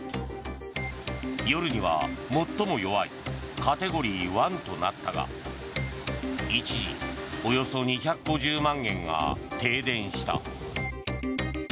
夜には最も弱いカテゴリー１となったが一時およそ２５０万軒が停電した。